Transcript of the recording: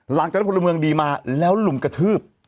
หลังจากผู้ละเมืองดีมาแล้วหลุมกระทืบ